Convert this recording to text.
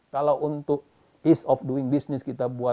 kalau untuk ease of doing business kita buat